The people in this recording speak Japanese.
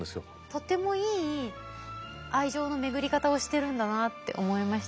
とてもいい愛情の巡り方をしてるんだなって思いましたね。